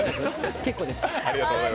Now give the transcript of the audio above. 結構です。